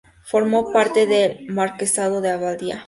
Formó parte del marquesado de Albaida.